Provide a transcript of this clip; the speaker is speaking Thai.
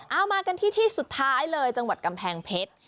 เอามากันที่ที่สุดท้ายเลยจังหวัดกำแพงเพชร